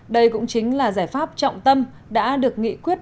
đây cũng chính là giải pháp trọng tâm đã được nghị quyết